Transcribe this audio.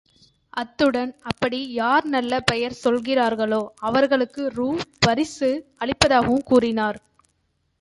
அத்துடன் அப்படி யார் நல்ல பெயர் சொல்லுகிறார்களோ அவர்களுக்கு ரூ.பரிசு அளிப்பதாகவும் கூறினார்.